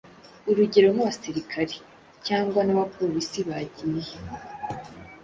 Urugero nk’abasirikari cyangwa n’abaporisi bagiye